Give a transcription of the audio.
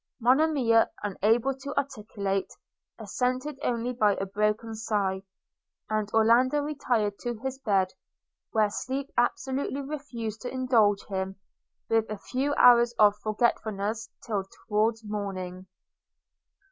– Monimia, unable to articulate, assented only by a broken sigh! and Orlando retired to his bed, where sleep absolutely refused to indulge him with a few hours of forgetfulness till towards morning.